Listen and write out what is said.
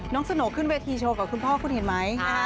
น้องสโนขึ้นเวทีชั่วกับคุณพ่อคุณเห็นมั้ย